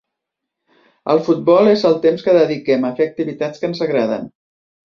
El futbol és el temps que dediquem a fer activitats que ens agraden.